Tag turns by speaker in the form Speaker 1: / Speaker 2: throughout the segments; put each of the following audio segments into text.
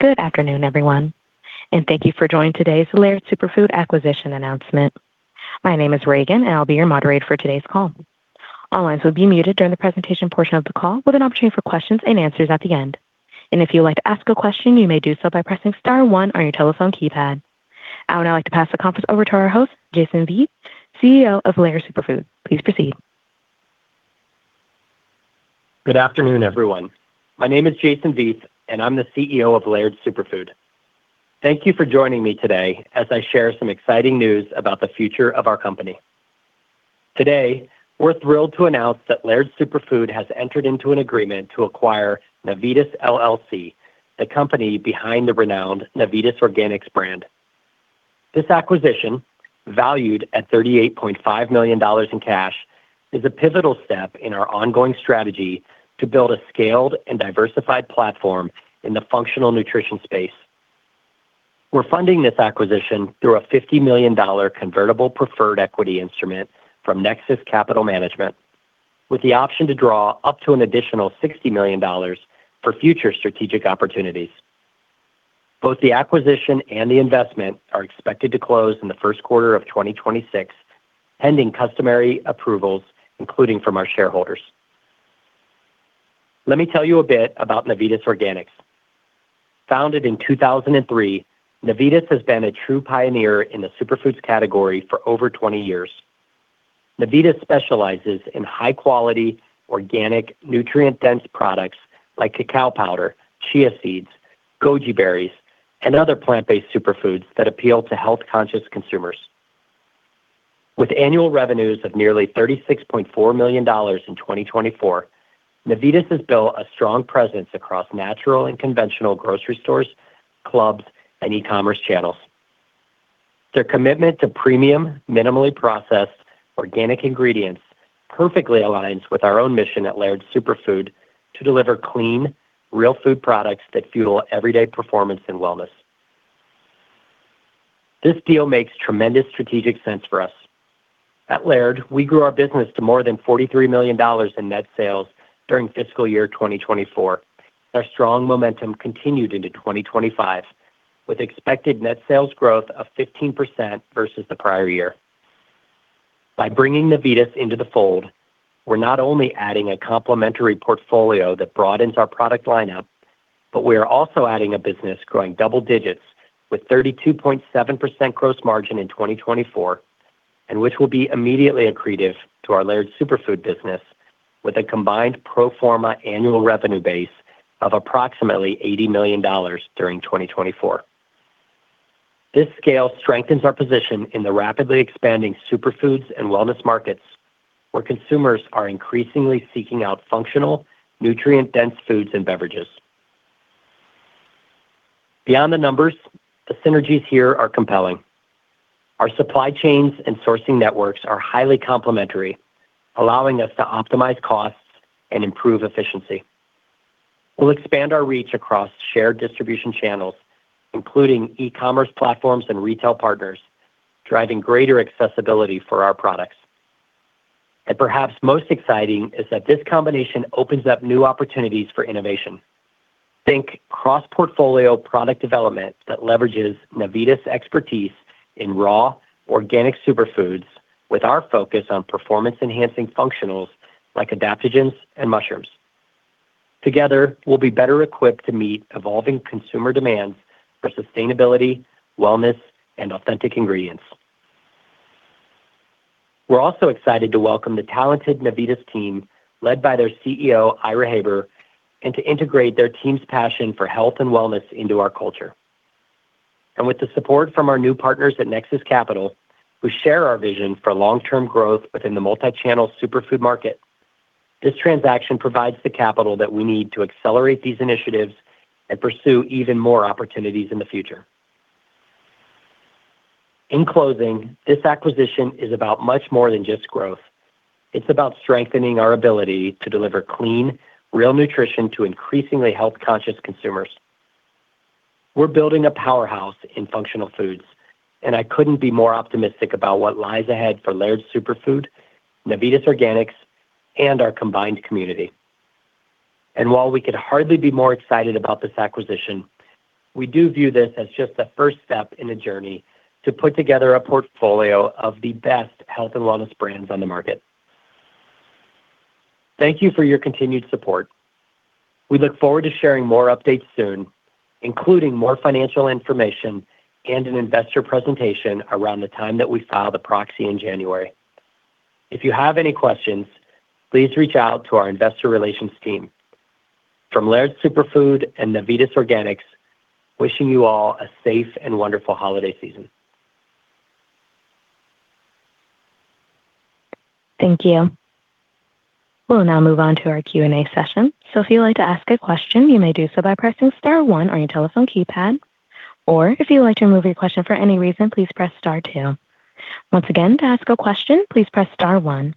Speaker 1: Good afternoon, everyone, and thank you for joining today's Laird Superfood acquisition announcement. My name is Reagan, and I'll be your moderator for today's call. All lines will be muted during the presentation portion of the call, with an opportunity for questions and answers at the end, and if you'd like to ask a question, you may do so by pressing star one on your telephone keypad. I would now like to pass the conference over to our host, Jason Vieth, CEO of Laird Superfood. Please proceed.
Speaker 2: Good afternoon, everyone. My name is Jason Vieth, and I'm the CEO of Laird Superfood. Thank you for joining me today as I share some exciting news about the future of our company. Today, we're thrilled to announce that Laird Superfood has entered into an agreement to acquire Navitas LLC, the company behind the renowned Navitas Organics brand. This acquisition, valued at $38.5 million in cash, is a pivotal step in our ongoing strategy to build a scaled and diversified platform in the functional nutrition space. We're funding this acquisition through a $50 million convertible preferred equity instrument from Nexus Capital Management, with the option to draw up to an additional $60 million for future strategic opportunities. Both the acquisition and the investment are expected to close in the first quarter of 2026, pending customary approvals, including from our shareholders. Let me tell you a bit about Navitas Organics. Founded in 2003, Navitas has been a true pioneer in the superfoods category for over 20 years. Navitas specializes in high-quality, organic, nutrient-dense products like cacao powder, chia seeds, goji berries, and other plant-based superfoods that appeal to health-conscious consumers. With annual revenues of nearly $36.4 million in 2024, Navitas has built a strong presence across natural and conventional grocery stores, clubs, and e-commerce channels. Their commitment to premium, minimally processed organic ingredients perfectly aligns with our own mission at Laird Superfood to deliver clean, real food products that fuel everyday performance and wellness. This deal makes tremendous strategic sense for us. At Laird, we grew our business to more than $43 million in net sales during fiscal year 2024, and our strong momentum continued into 2025, with expected net sales growth of 15% versus the prior year. By bringing Navitas into the fold, we're not only adding a complementary portfolio that broadens our product lineup, but we are also adding a business growing double digits with 32.7% gross margin in 2024, and which will be immediately accretive to our Laird Superfood business with a combined pro forma annual revenue base of approximately $80 million during 2024. This scale strengthens our position in the rapidly expanding superfoods and wellness markets, where consumers are increasingly seeking out functional, nutrient-dense foods and beverages. Beyond the numbers, the synergies here are compelling. Our supply chains and sourcing networks are highly complementary, allowing us to optimize costs and improve efficiency. We'll expand our reach across shared distribution channels, including e-commerce platforms and retail partners, driving greater accessibility for our products. And perhaps most exciting is that this combination opens up new opportunities for innovation. Think cross-portfolio product development that leverages Navitas' expertise in raw organic superfoods, with our focus on performance-enhancing functionals like adaptogens and mushrooms. Together, we'll be better equipped to meet evolving consumer demands for sustainability, wellness, and authentic ingredients. We're also excited to welcome the talented Navitas team, led by their CEO, Ira Haber, and to integrate their team's passion for health and wellness into our culture, and with the support from our new partners at Nexus Capital, who share our vision for long-term growth within the multi-channel superfood market, this transaction provides the capital that we need to accelerate these initiatives and pursue even more opportunities in the future. In closing, this acquisition is about much more than just growth. It's about strengthening our ability to deliver clean, real nutrition to increasingly health-conscious consumers. We're building a powerhouse in functional foods, and I couldn't be more optimistic about what lies ahead for Laird Superfood, Navitas Organics, and our combined community, and while we could hardly be more excited about this acquisition, we do view this as just the first step in a journey to put together a portfolio of the best health and wellness brands on the market. Thank you for your continued support. We look forward to sharing more updates soon, including more financial information and an investor presentation around the time that we file the proxy in January. If you have any questions, please reach out to our investor relations team. From Laird Superfood and Navitas Organics, wishing you all a safe and wonderful holiday season.
Speaker 1: Thank you. We'll now move on to our Q&A session. So if you'd like to ask a question, you may do so by pressing star one on your telephone keypad. Or if you'd like to remove your question for any reason, please press star two. Once again, to ask a question, please press star one.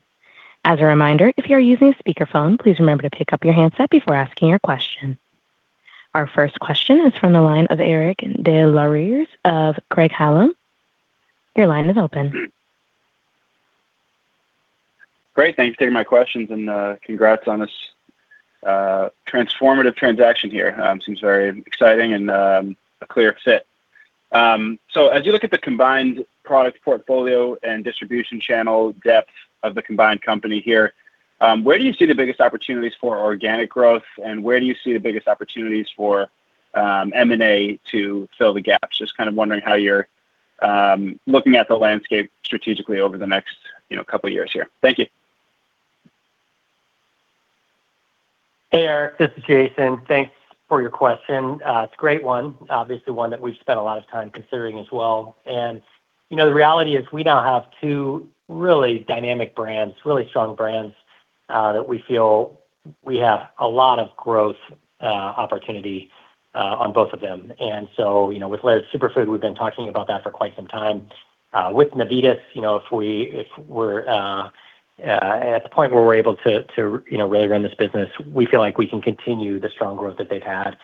Speaker 1: As a reminder, if you are using a speakerphone, please remember to pick up your handset before asking your question. Our first question is from the line of Eric Des Lauriers of Craig-Hallum. Your line is open.
Speaker 3: Great. Thank you for taking my questions and congrats on this transformative transaction here. Seems very exciting and a clear fit. So as you look at the combined product portfolio and distribution channel depth of the combined company here, where do you see the biggest opportunities for organic growth, and where do you see the biggest opportunities for M&A to fill the gaps? Just kind of wondering how you're looking at the landscape strategically over the next couple of years here. Thank you.
Speaker 2: Hey, Eric. This is Jason. Thanks for your question. It's a great one, obviously one that we've spent a lot of time considering as well. And the reality is we now have two really dynamic brands, really strong brands that we feel we have a lot of growth opportunity on both of them. And so with Laird Superfood, we've been talking about that for quite some time. With Navitas, if we're at the point where we're able to really run this business, we feel like we can continue the strong growth that they've had.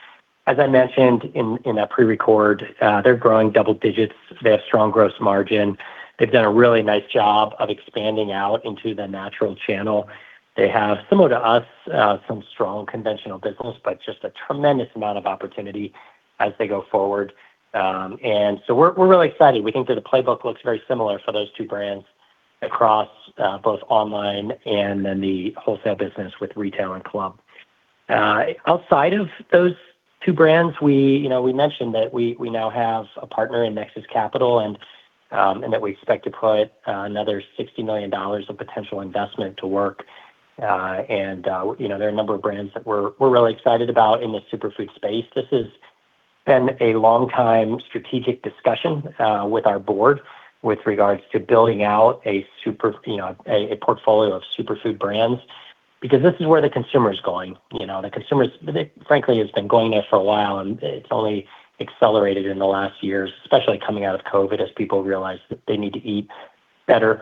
Speaker 2: As I mentioned in that pre-record, they're growing double digits. They have strong gross margin. They've done a really nice job of expanding out into the natural channel. They have, similar to us, some strong conventional business, but just a tremendous amount of opportunity as they go forward. And so we're really excited. We think that the playbook looks very similar for those two brands across both online and then the wholesale business with retail and club. Outside of those two brands, we mentioned that we now have a partner in Nexus Capital and that we expect to put another $60 million of potential investment to work, and there are a number of brands that we're really excited about in the superfood space. This has been a long-time strategic discussion with our board with regards to building out a portfolio of superfood brands because this is where the consumer is going. The consumer, frankly, has been going there for a while, and it's only accelerated in the last years, especially coming out of COVID, as people realize that they need to eat better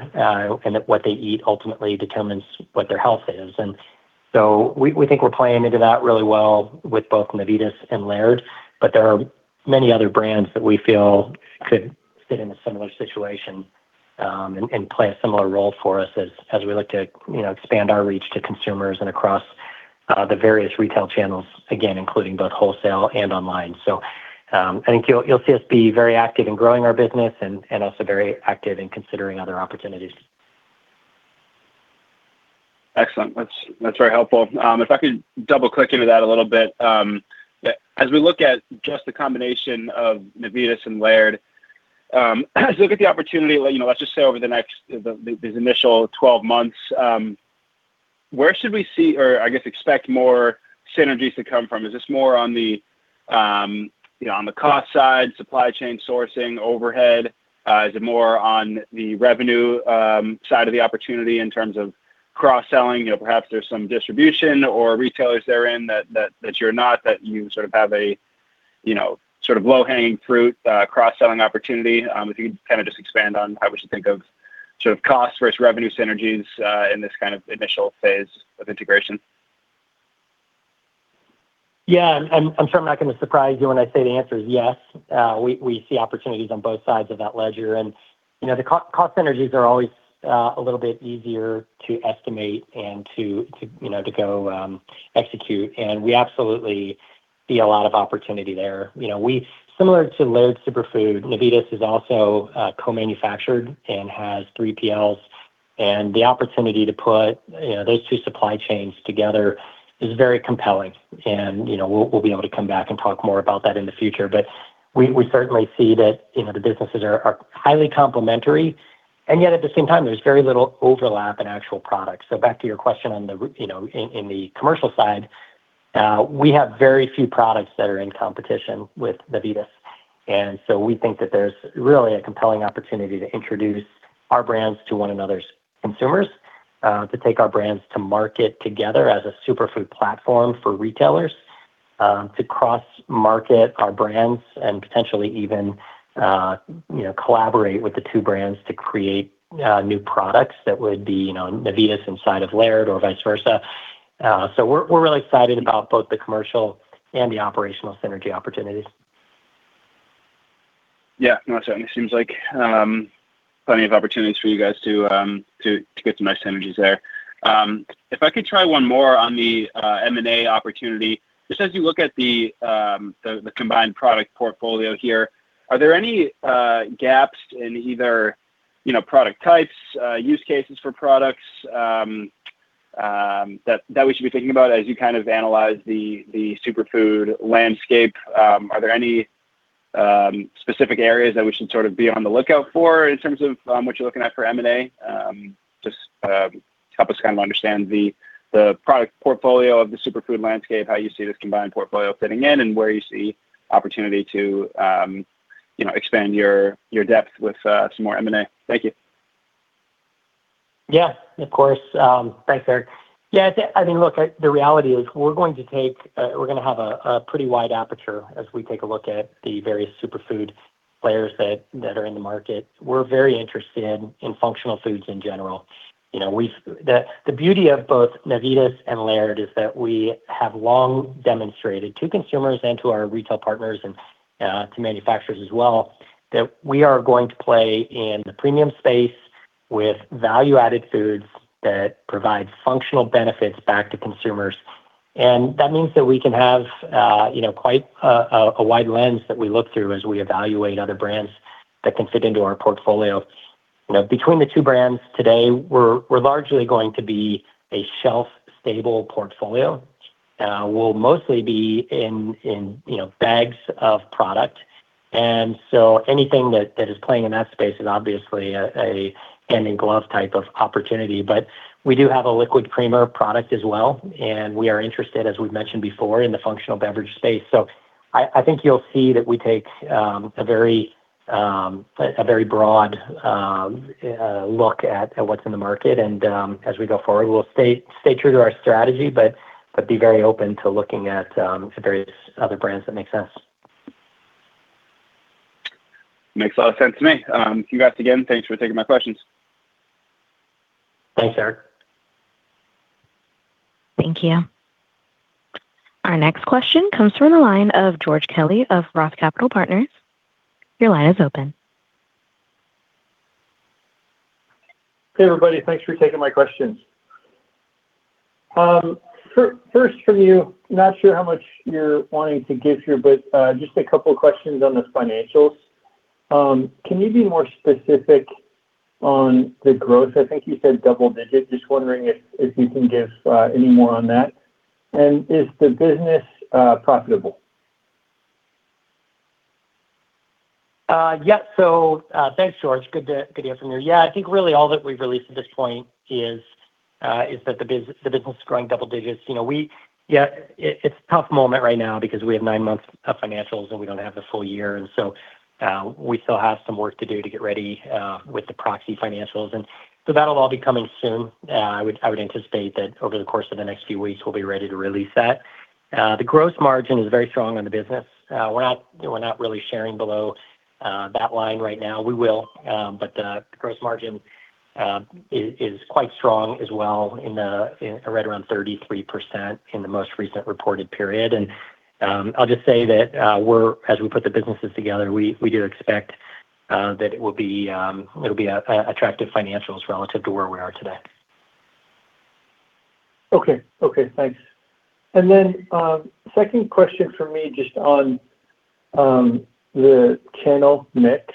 Speaker 2: and that what they eat ultimately determines what their health is. And so we think we're playing into that really well with both Navitas and Laird, but there are many other brands that we feel could fit in a similar situation and play a similar role for us as we look to expand our reach to consumers and across the various retail channels, again, including both wholesale and online. So I think you'll see us be very active in growing our business and also very active in considering other opportunities.
Speaker 3: Excellent. That's very helpful. If I could double-click into that a little bit. As we look at just the combination of Navitas and Laird, as you look at the opportunity, let's just say over the next initial 12 months, where should we see or, I guess, expect more synergies to come from? Is this more on the cost side, supply chain sourcing, overhead? Is it more on the revenue side of the opportunity in terms of cross-selling? Perhaps there's some distribution or retailers therein that you're not, that you sort of have a sort of low-hanging fruit cross-selling opportunity. If you could kind of just expand on how we should think of sort of cost versus revenue synergies in this kind of initial phase of integration.
Speaker 2: Yeah. I'm sure I'm not going to surprise you when I say the answer is yes. We see opportunities on both sides of that ledger. And the cost synergies are always a little bit easier to estimate and to go execute. And we absolutely see a lot of opportunity there. Similar to Laird Superfood, Navitas is also co-manufactured and has 3PLs. And the opportunity to put those two supply chains together is very compelling. And we'll be able to come back and talk more about that in the future. But we certainly see that the businesses are highly complementary. And yet, at the same time, there's very little overlap in actual products. So back to your question in the commercial side, we have very few products that are in competition with Navitas. And so we think that there's really a compelling opportunity to introduce our brands to one another's consumers, to take our brands to market together as a superfood platform for retailers, to cross-market our brands, and potentially even collaborate with the two brands to create new products that would be Navitas inside of Laird or vice versa. So we're really excited about both the commercial and the operational synergy opportunities.
Speaker 3: Yeah. No, certainly seems like plenty of opportunities for you guys to get some nice synergies there. If I could try one more on the M&A opportunity, just as you look at the combined product portfolio here, are there any gaps in either product types, use cases for products that we should be thinking about as you kind of analyze the superfood landscape? Are there any specific areas that we should sort of be on the lookout for in terms of what you're looking at for M&A? Just help us kind of understand the product portfolio of the superfood landscape, how you see this combined portfolio fitting in, and where you see opportunity to expand your depth with some more M&A. Thank you.
Speaker 2: Yeah. Of course. Thanks, Eric. Yeah. I mean, look, the reality is we're going to have a pretty wide aperture as we take a look at the various superfood players that are in the market. We're very interested in functional foods in general. The beauty of both Navitas and Laird is that we have long demonstrated to consumers and to our retail partners and to manufacturers as well that we are going to play in the premium space with value-added foods that provide functional benefits back to consumers. And that means that we can have quite a wide lens that we look through as we evaluate other brands that can fit into our portfolio. Between the two brands today, we're largely going to be a shelf-stable portfolio. We'll mostly be in bags of product. And so anything that is playing in that space is obviously a hand-in-glove type of opportunity. But we do have a liquid creamer product as well. And we are interested, as we've mentioned before, in the functional beverage space. So I think you'll see that we take a very broad look at what's in the market. And as we go forward, we'll stay true to our strategy, but be very open to looking at various other brands that make sense.
Speaker 3: Makes a lot of sense to me. Thank you guys again. Thanks for taking my questions.
Speaker 2: Thanks, Eric.
Speaker 1: Thank you. Our next question comes from the line of George Kelly of Roth Capital Partners. Your line is open.
Speaker 4: Hey, everybody. Thanks for taking my questions. First, from you, not sure how much you're wanting to give here, but just a couple of questions on the financials. Can you be more specific on the growth? I think you said double digit. Just wondering if you can give any more on that. And is the business profitable?
Speaker 2: Yeah. So thanks, George. Good to hear from you. Yeah. I think really all that we've released at this point is that the business is growing double digits. It's a tough moment right now because we have nine months of financials and we don't have the full year. And so we still have some work to do to get ready with the proxy financials. And so that'll all be coming soon. I would anticipate that over the course of the next few weeks, we'll be ready to release that. The gross margin is very strong on the business. We're not really sharing below that line right now. We will, but the gross margin is quite strong as well, right around 33% in the most recent reported period. I'll just say that as we put the businesses together, we do expect that it will be attractive financials relative to where we are today.
Speaker 4: Okay. Okay. Thanks. And then second question for me just on the channel mix.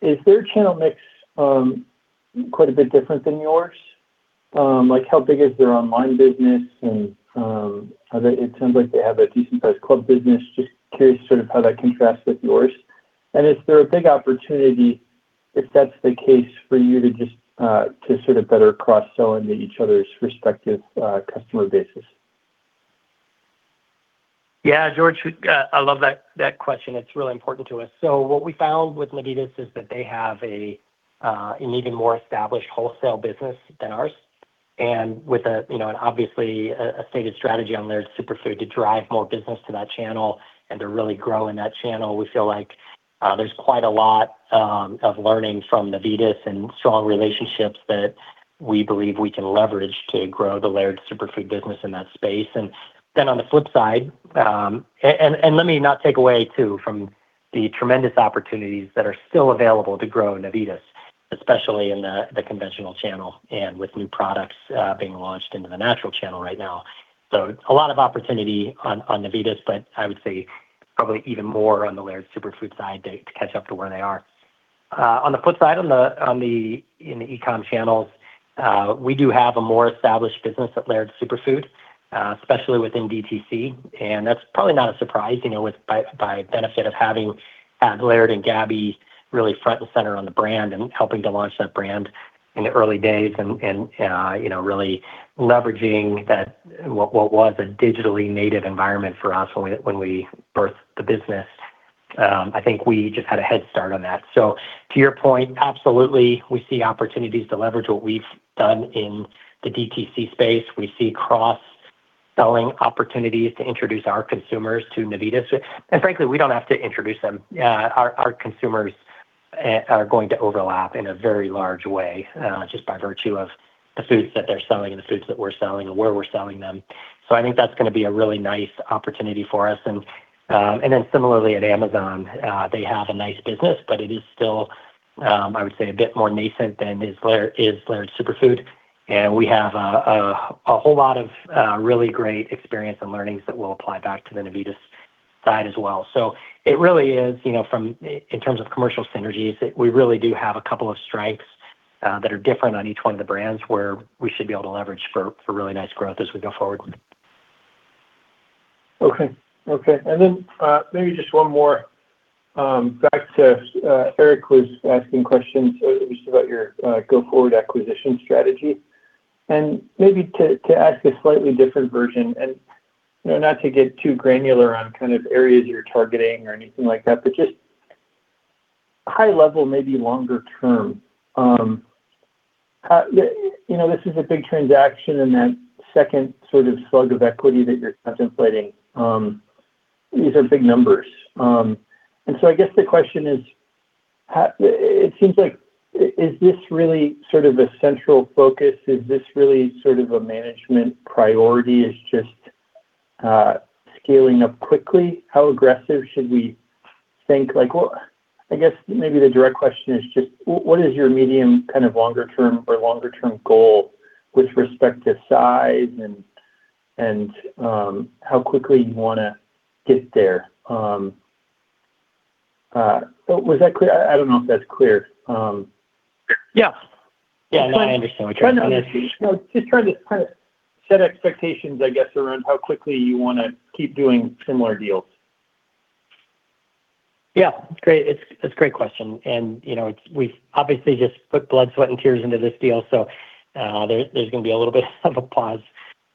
Speaker 4: Is their channel mix quite a bit different than yours? How big is their online business? And it sounds like they have a decent-sized club business. Just curious sort of how that contrasts with yours. And is there a big opportunity, if that's the case, for you to just sort of better cross-sell into each other's respective customer bases?
Speaker 2: Yeah, George, I love that question. It's really important to us. So what we found with Navitas is that they have an even more established wholesale business than ours. And with, obviously, a stated strategy on Laird Superfood to drive more business to that channel and to really grow in that channel, we feel like there's quite a lot of learning from Navitas and strong relationships that we believe we can leverage to grow the Laird Superfood business in that space. And then on the flip side, and let me not take away too from the tremendous opportunities that are still available to grow in Navitas, especially in the conventional channel and with new products being launched into the natural channel right now. So a lot of opportunity on Navitas, but I would say probably even more on the Laird Superfood side to catch up to where they are. On the flip side, in the e-com channels, we do have a more established business at Laird Superfood, especially within DTC, and that's probably not a surprise by benefit of having Laird and Gabby really front and center on the brand and helping to launch that brand in the early days and really leveraging what was a digitally native environment for us when we birthed the business. I think we just had a head start on that, so to your point, absolutely, we see opportunities to leverage what we've done in the DTC space. We see cross-selling opportunities to introduce our consumers to Navitas, and frankly, we don't have to introduce them. Our consumers are going to overlap in a very large way just by virtue of the foods that they're selling and the foods that we're selling and where we're selling them. So I think that's going to be a really nice opportunity for us. And then similarly, at Amazon, they have a nice business, but it is still, I would say, a bit more nascent than is Laird Superfood. And we have a whole lot of really great experience and learnings that we'll apply back to the Navitas side as well. So it really is, in terms of commercial synergies, we really do have a couple of strengths that are different on each one of the brands where we should be able to leverage for really nice growth as we go forward.
Speaker 4: Okay. Okay. And then maybe just one more back to Eric was asking questions just about your go-forward acquisition strategy. And maybe to ask a slightly different version and not to get too granular on kind of areas you're targeting or anything like that, but just high-level, maybe longer-term. This is a big transaction in that second sort of slug of equity that you're contemplating. These are big numbers. And so I guess the question is, it seems like, is this really sort of a central focus? Is this really sort of a management priority? Is just scaling up quickly? How aggressive should we think? I guess maybe the direct question is just, what is your medium kind of longer-term or longer-term goal with respect to size and how quickly you want to get there? Was that clear? I don't know if that's clear.
Speaker 2: Yeah. Yeah. I understand what you're saying.
Speaker 4: Just trying to set expectations, I guess, around how quickly you want to keep doing similar deals?
Speaker 2: Yeah. Great. It's a great question. And we've obviously just put blood, sweat, and tears into this deal. So there's going to be a little bit of a pause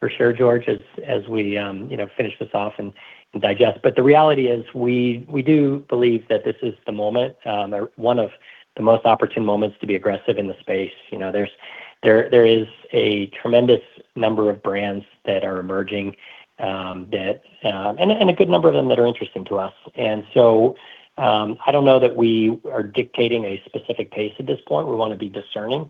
Speaker 2: for sure, George, as we finish this off and digest. But the reality is we do believe that this is the moment, one of the most opportune moments to be aggressive in the space. There is a tremendous number of brands that are emerging and a good number of them that are interesting to us. And so I don't know that we are dictating a specific pace at this point. We want to be discerning.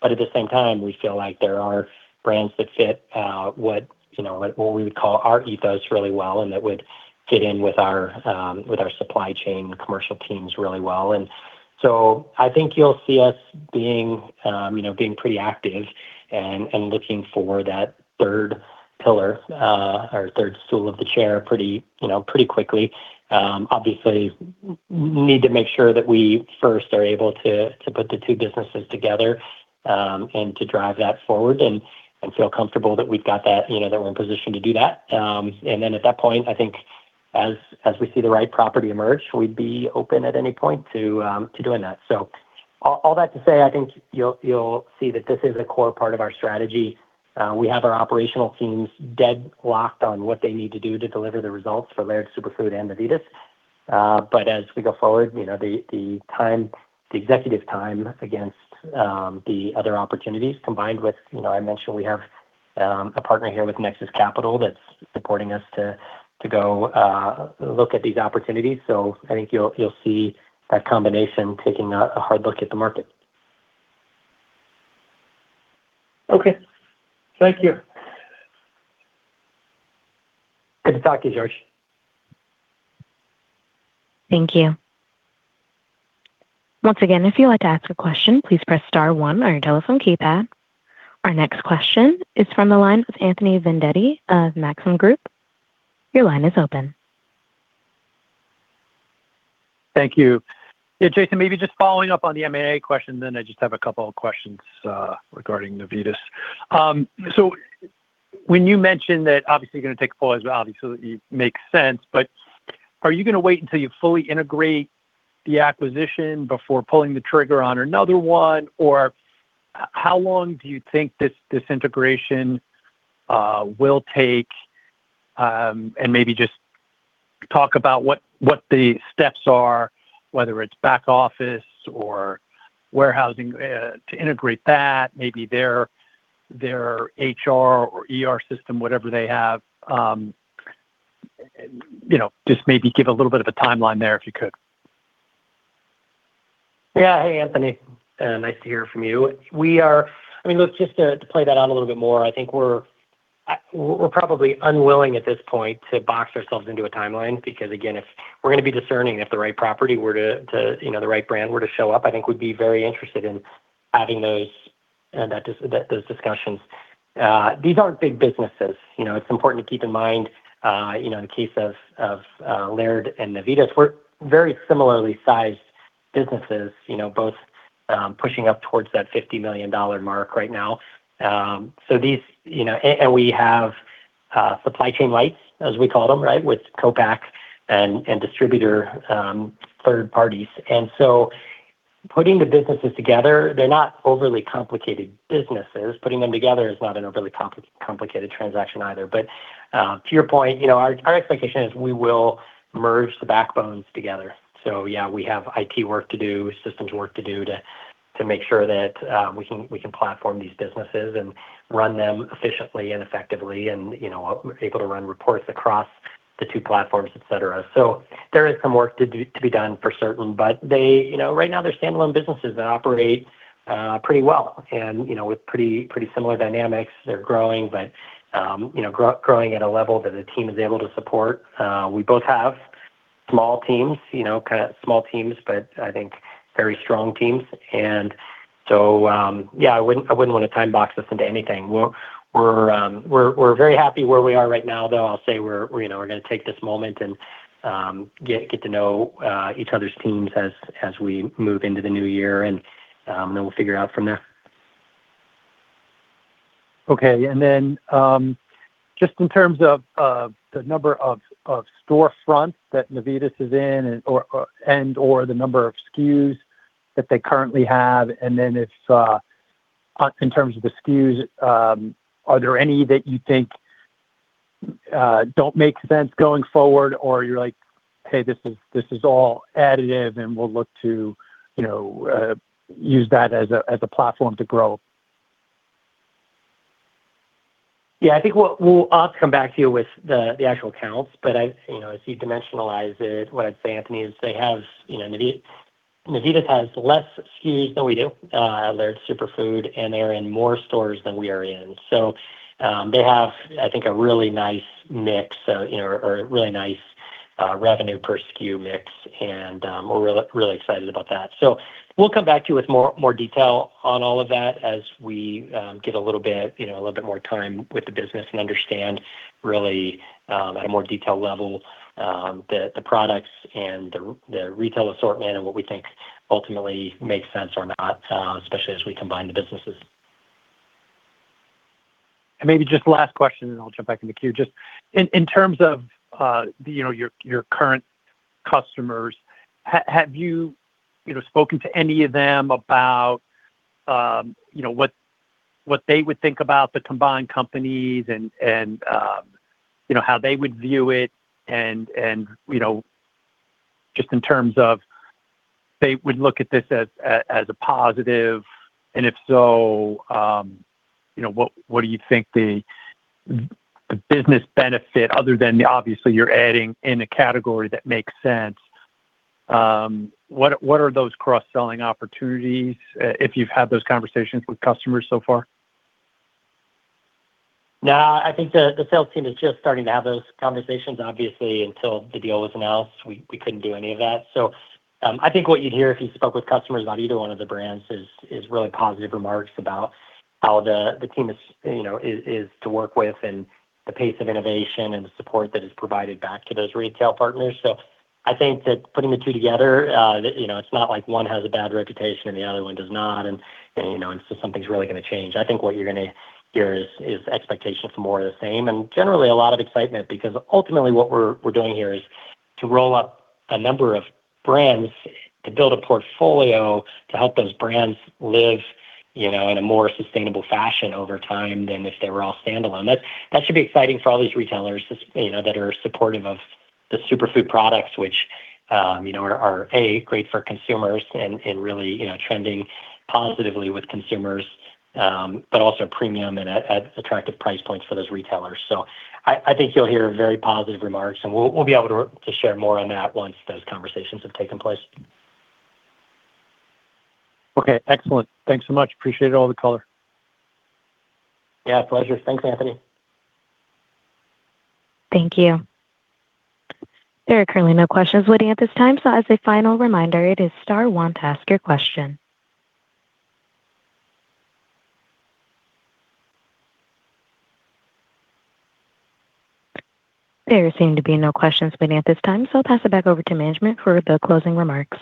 Speaker 2: But at the same time, we feel like there are brands that fit what we would call our ethos really well and that would fit in with our supply chain commercial teams really well. And so I think you'll see us being pretty active and looking for that third pillar or third stool of the chair pretty quickly. Obviously, we need to make sure that we first are able to put the two businesses together and to drive that forward and feel comfortable that we've got that, that we're in position to do that. And then at that point, I think as we see the right property emerge, we'd be open at any point to doing that. So all that to say, I think you'll see that this is a core part of our strategy. We have our operational teams dead set on what they need to do to deliver the results for Laird Superfood and Navitas. But as we go forward, the executive team against the other opportunities combined with. I mentioned we have a partner here with Nexus Capital that's supporting us to go look at these opportunities. So I think you'll see that combination taking a hard look at the market.
Speaker 4: Okay. Thank you.
Speaker 2: Good to talk to you, George.
Speaker 1: Thank you. Once again, if you'd like to ask a question, please press star one on your telephone keypad. Our next question is from the line with Anthony Vendetti of Maxim Group. Your line is open.
Speaker 5: Thank you. Yeah, Jason, maybe just following up on the M&A question, then I just have a couple of questions regarding Navitas. So when you mentioned that obviously you're going to take a pull, obviously it makes sense, but are you going to wait until you fully integrate the acquisition before pulling the trigger on another one? Or how long do you think this integration will take? And maybe just talk about what the steps are, whether it's back office or warehousing to integrate that, maybe their HR or system, whatever they have. Just maybe give a little bit of a timeline there if you could.
Speaker 2: Yeah. Hey, Anthony. Nice to hear from you. I mean, look, just to play that out a little bit more, I think we're probably unwilling at this point to box ourselves into a timeline because, again, if we're going to be discerning if the right property were to, the right brand were to show up, I think we'd be very interested in having those discussions. These aren't big businesses. It's important to keep in mind in the case of Laird and Navitas, we're very similarly sized businesses, both pushing up towards that $50 million mark right now. And we have supply chain lite, as we call them, right, with co-pack and distributor third parties. And so putting the businesses together, they're not overly complicated businesses. Putting them together is not an overly complicated transaction either. But to your point, our expectation is we will merge the backbones together. So yeah, we have IT work to do, systems work to do to make sure that we can platform these businesses and run them efficiently and effectively and able to run reports across the two platforms, etc. So there is some work to be done for certain, but right now they're standalone businesses that operate pretty well and with pretty similar dynamics. They're growing, but growing at a level that the team is able to support. We both have small teams, kind of small teams, but I think very strong teams. And so yeah, I wouldn't want to time-box us into anything. We're very happy where we are right now, though I'll say we're going to take this moment and get to know each other's teams as we move into the new year, and then we'll figure it out from there.
Speaker 5: Okay. And then just in terms of the number of storefronts that Navitas is in and/or the number of SKUs that they currently have, and then in terms of the SKUs, are there any that you think don't make sense going forward or you're like, "Hey, this is all additive and we'll look to use that as a platform to grow?
Speaker 2: Yeah. I think we'll come back to you with the actual counts, but as you dimensionalize it, what I'd say, Anthony, is they have Navitas has less SKUs than we do at Laird Superfood, and they're in more stores than we are in. So they have, I think, a really nice mix or a really nice revenue per SKU mix, and we're really excited about that. So we'll come back to you with more detail on all of that as we get a little bit more time with the business and understand really at a more detailed level the products and the retail assortment and what we think ultimately makes sense or not, especially as we combine the businesses.
Speaker 5: And maybe just last question, and I'll jump back into the queue. Just in terms of your current customers, have you spoken to any of them about what they would think about the combined companies and how they would view it? And just in terms of they would look at this as a positive, and if so, what do you think the business benefit other than obviously you're adding in a category that makes sense? What are those cross-selling opportunities if you've had those conversations with customers so far?
Speaker 2: No, I think the sales team is just starting to have those conversations, obviously, until the deal was announced. We couldn't do any of that. So I think what you'd hear if you spoke with customers about either one of the brands is really positive remarks about how the team is to work with and the pace of innovation and the support that is provided back to those retail partners. So I think that putting the two together, it's not like one has a bad reputation and the other one does not, and so something's really going to change. I think what you're going to hear is expectations for more of the same and generally a lot of excitement because ultimately what we're doing here is to roll up a number of brands to build a portfolio to help those brands live in a more sustainable fashion over time than if they were all standalone. That should be exciting for all these retailers that are supportive of the superfood products, which are A, great for consumers and really trending positively with consumers, but also premium and at attractive price points for those retailers. So I think you'll hear very positive remarks, and we'll be able to share more on that once those conversations have taken place.
Speaker 5: Okay. Excellent. Thanks so much. Appreciate all the color.
Speaker 2: Yeah. Pleasure. Thanks, Anthony.
Speaker 1: Thank you. There are currently no questions waiting at this time. So as a final reminder, it is star one to ask your question. There seem to be no questions waiting at this time, so I'll pass it back over to management for the closing remarks.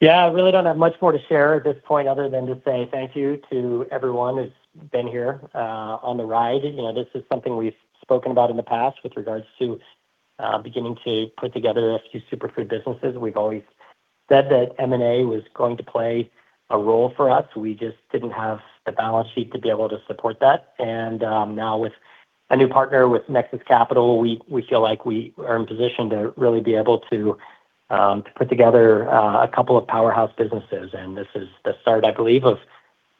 Speaker 2: Yeah. I really don't have much more to share at this point other than to say thank you to everyone who's been here on the ride. This is something we've spoken about in the past with regards to beginning to put together a few superfood businesses. We've always said that M&A was going to play a role for us. We just didn't have the balance sheet to be able to support that. And now with a new partner with Nexus Capital, we feel like we are in position to really be able to put together a couple of powerhouse businesses. And this is the start, I believe, of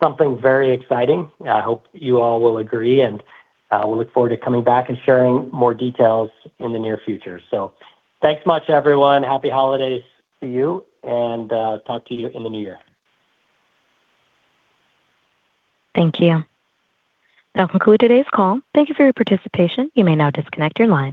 Speaker 2: something very exciting. I hope you all will agree, and we'll look forward to coming back and sharing more details in the near future. So thanks much, everyone. Happy holidays to you, and talk to you in the new year.
Speaker 1: Thank you. That concludes today's call. Thank you for your participation. You may now disconnect your line.